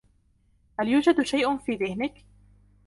هل يوجد شيئ في ذهنك ؟